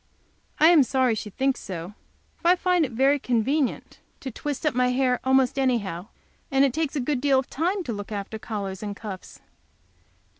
I am sorry she thinks so, for I find it very convenient to twist up my hair almost any how, and it takes a good deal of time to look after collars and cuffs.